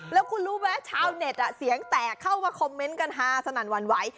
แล้วคุณรู้ไหมชาวเน็ตเสียงแตกเข้ามาคอมเมนต์กันฮาสนั่นหวั่นไหว